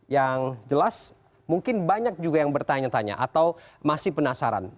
yang jelas mungkin banyak juga yang bertanya tanya atau masih penasaran